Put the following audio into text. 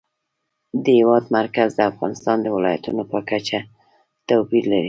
د هېواد مرکز د افغانستان د ولایاتو په کچه توپیر لري.